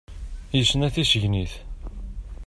Yesna tisegnit